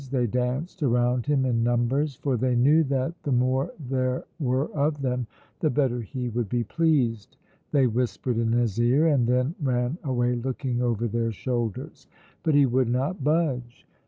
They danced around him in numbers, for they knew that the more there were of them the better he would be pleased; they whispered in his ear and then ran away looking over their shoulders. But he would not budge.